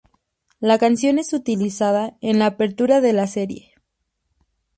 La canción es utilizada en la apertura de la serie.